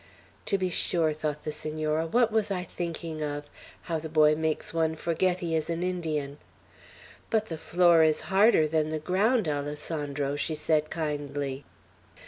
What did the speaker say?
"To be sure," thought the Senora; "what was I thinking of! How the boy makes one forget he is an Indian! But the floor is harder than the ground, Alessandro," she said kindly.